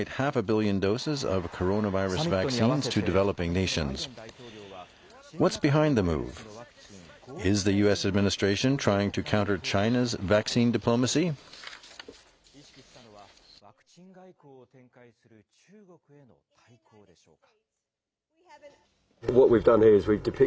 意識したのは、ワクチン外交を展開する中国への対抗でしょうか。